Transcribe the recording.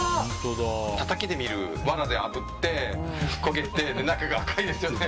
たたきで見るわらであぶって、焦げて中が赤いですよね。